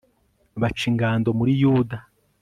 baca ingando muri yuda